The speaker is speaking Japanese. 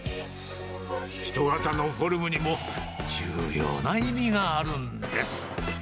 人型のフォルムにも重要な意味があるんです。